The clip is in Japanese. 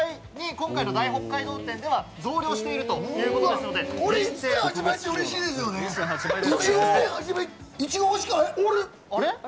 今回の大北海道展では、増量しているということなので、これ１．８倍ってうれしですあれ？